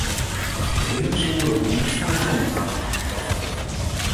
Dêr soe er wol net fan werom hawwe, tocht ik.